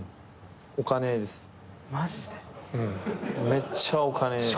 めっちゃお金です。